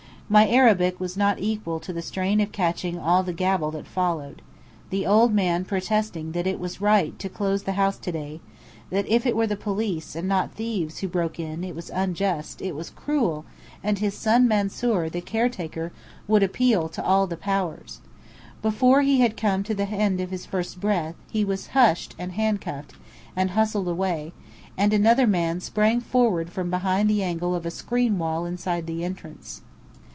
My Arabic was not equal to the strain of catching all the gabble that followed: the old man protesting that it was right to close the house to day; that if it were the police and not thieves who broke in, it was unjust, it was cruel, and his son Mansoor, the caretaker, would appeal to all the Powers. Before he had come to the end of his first breath, he was hushed and handcuffed, and hustled away; and another man sprang forward from behind the angle of a screen wall inside the entrance.